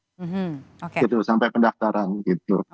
gitu sampai pendaftaran gitu